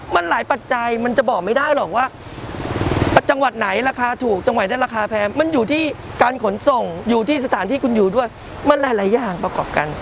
มันหลายปัจจัยมันจะบอกไม่ได้หรอกว่าจังหวัดไหนราคาถูกจังหวัดนั้นราคาแพงมันอยู่ที่การขนส่งอยู่ที่สถานที่คุณอยู่ด้วยมันหลายอย่างประกอบกัน